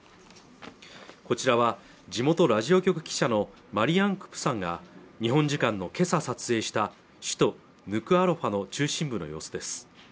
こちらは地元ラジオ局記者のマリアン・クプさんが日本時間の今朝撮影した首都ヌクアロファの中心部の様子です